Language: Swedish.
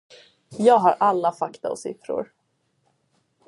Jag har alla fakta och siffror.